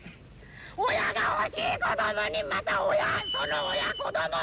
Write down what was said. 親が欲しい子どもにまた親その親子ども。